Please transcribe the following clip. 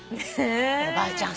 おばあちゃん